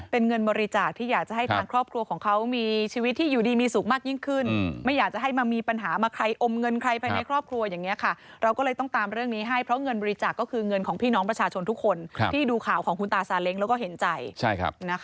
เป็นเงินบริจาคที่อยากจะให้ทางครอบครัวของเขามีชีวิตที่อยู่ดีมีสุขมากยิ่งขึ้นไม่อยากจะให้มามีปัญหามาใครอมเงินใครภายในครอบครัวอย่างนี้ค่ะเราก็เลยต้องตามเรื่องนี้ให้เพราะเงินบริจาคก็คือเงินของพี่น้องประชาชนทุกคนที่ดูข่าวของคุณตาซาเล้งแล้วก็เห็นใจ